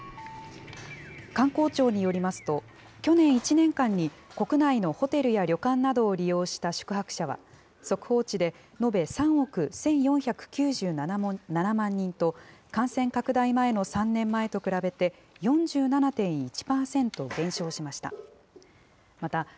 観光庁によりますと、去年１年間に国内のホテルや旅館などを利用した宿泊者は、速報値で延べ３億１４９７万人と、感染拡大前の３年前と比べて、４７．１％減少しました。